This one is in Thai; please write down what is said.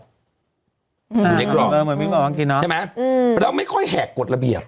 อยู่ในกล่องใช่ไหมเราไม่ค่อยแหกกฎระเบียบ